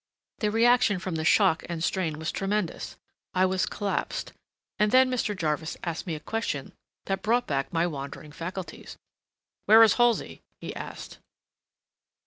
The reaction from the shock and strain was tremendous: I was collapsed—and then Mr. Jarvis asked me a question that brought back my wandering faculties. "Where is Halsey?" he asked.